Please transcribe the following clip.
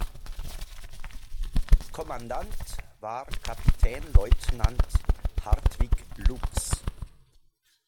Kommandant war Kapitänleutnant Hartwig Looks.